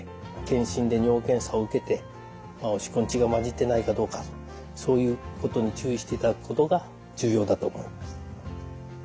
健診で尿検査を受けておしっこに血が混じってないかどうかそういうことに注意していただくことが重要だと思います。